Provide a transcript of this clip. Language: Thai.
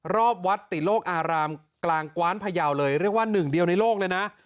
รอบวัดติโลกอารามกลางกว้านพยาวเลยเรียกว่าหนึ่งเดียวในโลกเลยนะ